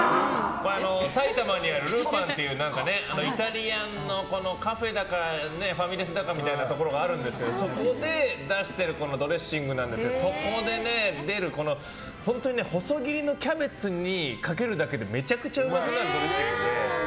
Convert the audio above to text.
埼玉にある、るーぱんっていうイタリアンのカフェだかファミレスだかみたいなところがあるんですけどそこで出してるドレッシングなんですけどそこで出る細切りのキャベツにかけるだけでめちゃくちゃうまくなるドレッシングで。